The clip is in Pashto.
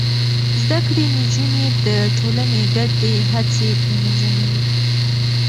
زده کړې نجونې د ټولنې ګډې هڅې منظموي.